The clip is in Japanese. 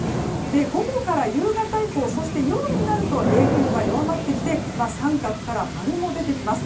午後から夕方以降そして夜になると影響が弱まってきて△から〇も出てきます。